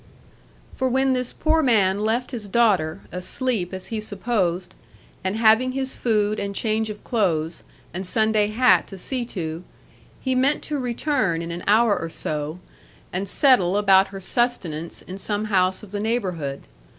For when this poor man left his daughter, asleep as he supposed, and having his food, and change of clothes, and Sunday hat to see to, he meant to return in an hour or so, and settle about her sustenance in some house of the neighbourhood.